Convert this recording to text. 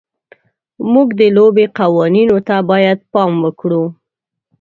موږ د لوبې قوانینو ته باید پام وکړو.